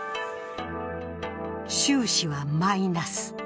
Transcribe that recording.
収支はマイナス。